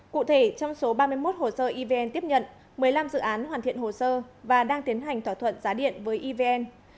cụ thể trong số ba mươi một hồ sơ evn tiếp nhận một mươi năm dự án hoàn thiện hồ sơ và đang tiến hành thỏa thuận giá điện với evn